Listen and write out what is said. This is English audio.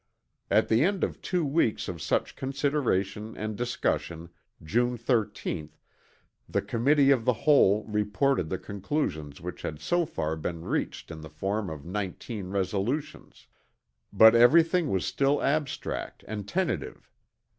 "At the end of two weeks of such consideration and discussion, June 13, the Committee of the Whole reported the conclusions which had so far been reached in the form of 19 resolutions. But everything was still abstract and tentative.